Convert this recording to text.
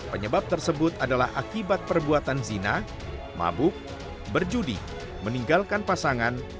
penyebab tersebut adalah akibat perbuatan zina mabuk berjudi meninggalkan pasangan